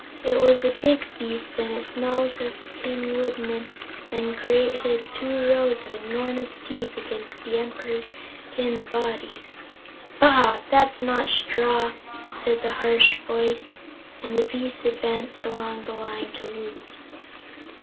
It was a big beast and it smelled of the Tin Woodman and grated two rows of enormous teeth against the Emperor's tin body. "Bah! that's not straw," said the harsh voice, and the beast advanced along the line to Woot.